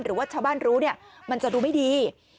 หรือว่าชาวบ้านรู้เนี่ยมันจะดูไม่ดี